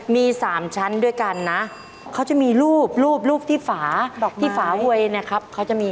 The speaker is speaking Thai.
มี๓ชั้นด้วยกันนะเขาจะมีรูปรูปรูปที่ฝาที่ฝาเวยนะครับเขาจะมี